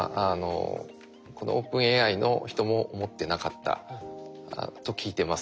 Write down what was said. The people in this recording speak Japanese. このＯｐｅｎＡＩの人も思ってなかったと聞いてます。